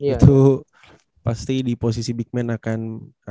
itu pasti di posisi big man akan